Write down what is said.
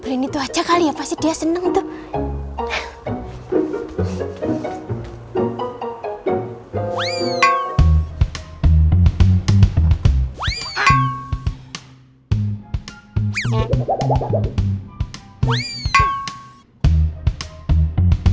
brin itu aja kali ya pasti dia seneng tuh